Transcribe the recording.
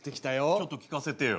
ちょっと聞かせてよ。